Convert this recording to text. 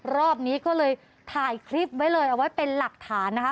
รอบนี้ก็เลยถ่ายคลิปไว้เลยเอาไว้เป็นหลักฐานนะคะ